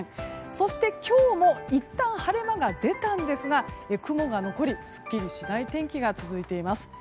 そして、今日もいったん晴れ間が出たんですが雲が残り、すっきりしない天気が続いています。